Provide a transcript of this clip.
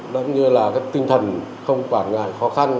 đặc nhiên là tinh thần không quản ngại khó khăn